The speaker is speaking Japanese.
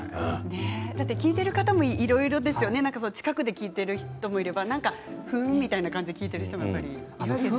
聴いてる方もいろいろですよね、近くで聴いてる方もいればふーんみたいな感じで聴いている人もいますよね。